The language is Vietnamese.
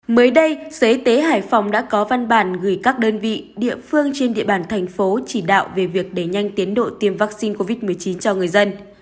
mới đây sở y tế hải phòng đã có văn bản gửi các đơn vị địa phương trên địa bàn thành phố chỉ đạo về việc đẩy nhanh tiến độ tiêm vaccine covid một mươi chín cho người dân